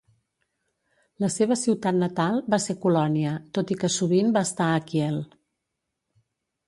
La seva ciutat natal va ser Colònia, tot i que sovint va estar a Kiel.